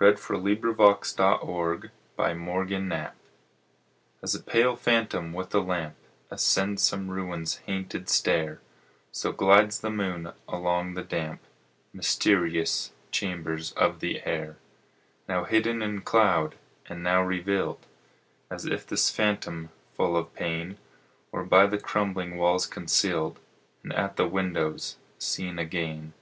Henry Wadsworth Longfellow Moonlight AS a pale phantom with a lamp Ascends some ruin's hainted stair, So glides the moon along the damp Mysterious chambers of the air. Now hidden in cloud, and now revealed, As if this phantom, full of pain, Were by the crumbling walls concealed, And at the windows seen again.